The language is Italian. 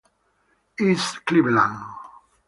East Cleveland